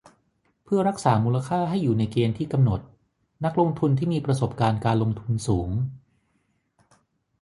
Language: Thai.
เพื่อรักษามูลค่าให้อยู่ในเกณฑ์ที่กำหนด นักลงทุนที่มีประสบการณ์การลงทุนสูง